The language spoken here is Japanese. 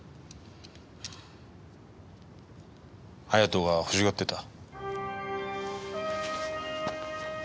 隼人が欲しがってた。